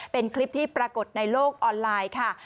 เป็นคลิปที่ปรากฏในโลกออนไลน์ค่ะ